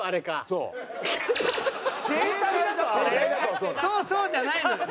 「そうそう」じゃないのよ。